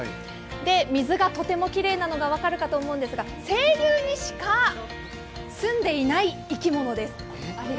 水がとてもきれいなのが分かると思うんですが清流にしか、すんでいない生き物です。